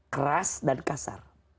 keras dan kasar